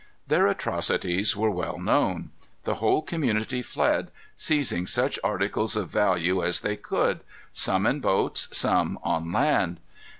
Their atrocities were well known. The whole community fled, seizing such articles of value as they could some in boats, some on land.